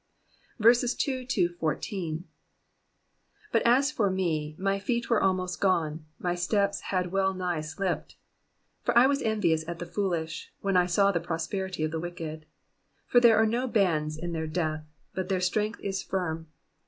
Digitized by VjOOQIC PSALM THE SEYENTY THIRD. 33D 2 But as for me, my feet were almost gone ; my steps had well nigh slipped. 3 For 1 was envious at the foolish, when I saw the prosperity of the wicked. 4 For tliere are no bands in their death : but their strength is firm.